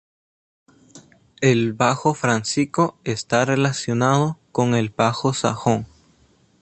El bajo fráncico está relacionado con el bajo sajón.